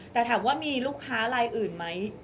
แต่ถามว่ามีลูกค้าลายอื่นไหม